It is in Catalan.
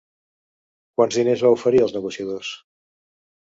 Quants diners va oferir els negociadors?